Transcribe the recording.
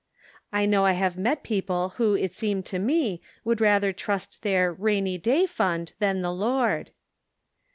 I know I have met Their Jewels. 29 people who it seemed to me, would rather trust their 'rainy day fund' than the Lord."